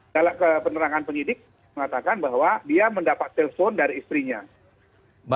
dalam penerangan penyidik mengatakan bahwa dia mendapat telpon dari istrinya